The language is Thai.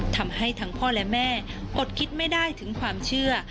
ทำให้ทั้งพ่อและแม่อดคิดไม่ได้ถึงความเชื่อ